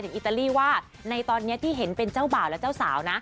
อิตาลีว่าในตอนนี้ที่เห็นเป็นเจ้าบ่าวและเจ้าสาวนะ